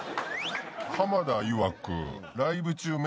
濱田いわく。